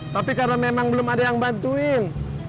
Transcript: tapi karena memang belum ada yang bantuin